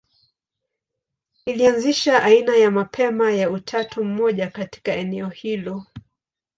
Ilianzisha aina ya mapema ya utatu mmoja katika eneo hilo.